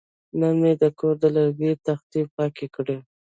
نن مې د کور د لرګي تختې پاکې کړې.